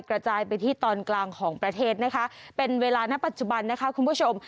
กระจายไปที่ตอนกลางของประเทศนะคะเป็นเวลาณปัจจุบันนะคะคุณผู้ชม